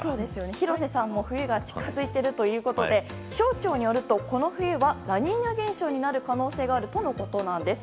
廣瀬さんも冬が近づいているということで気象庁によるとこの冬はラニーニャ現象になる可能性があるとのことなんです。